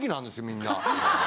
みんな。